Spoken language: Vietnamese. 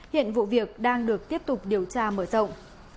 hiện vụ việc đang được tiếp tục điều tra mở rộng